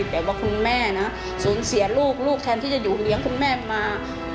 แต่ว่าคุณแม่นะสูญเสียลูกลูกแทนที่จะอยู่เลี้ยงคุณแม่มา